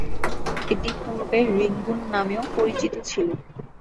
এটি পূর্বে রেঙ্গুন নামেও পরিচিত ছিলো।